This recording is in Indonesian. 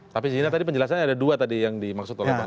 tapi zina tadi penjelasannya ada dua tadi yang dimaksud oleh bang